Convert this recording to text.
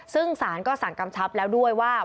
ซึ่งสารก็สั่งกำชับแล้วด้วยว่า